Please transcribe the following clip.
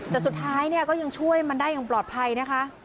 แต่สุดท้ายเนี่ยก็ยังช่วยมันได้อย่างปลอดภัยนะคะ